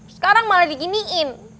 sekarang malah diginiin